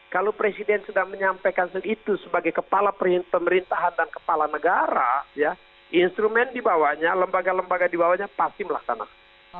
kalau presiden sudah menyampaikan segitu sebagai kepala pemerintahan dan kepala negara ya instrumen dibawanya lembaga lembaga dibawanya pasti melaksanakan